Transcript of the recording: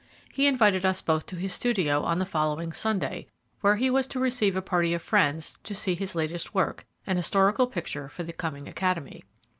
He invited us both to his studio on the following Sunday, where he was to receive a party of friends to see his latest work, an historical picture for the coming Academy.